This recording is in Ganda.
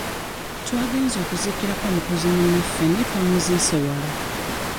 Twagenze okuziikirako mukozi munnaffe naye twamuziise wala.